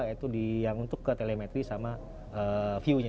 yaitu yang untuk ke telemetri sama viewnya